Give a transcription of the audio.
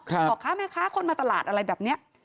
พ่อค้าแม่ค้าคนมาตลาดอะไรแบบนี้